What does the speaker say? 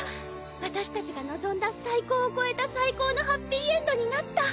私たちが望んだ最高を超えた最高のハッピーエンドになった。